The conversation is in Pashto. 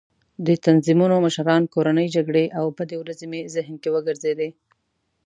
د تنظیمونو مشران، کورنۍ جګړې او بدې ورځې مې ذهن کې وګرځېدې.